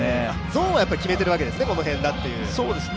ゾーンを決めているわけですね、この辺だという。